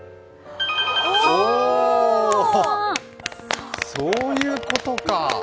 おお、そういうことか。